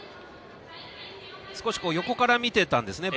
少し横から見ていたんですね